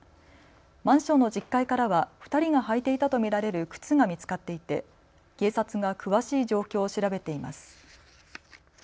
マンションの１０階からは２人が履いていたと見られる靴が見つかっていて警察が詳しい状況を調べています。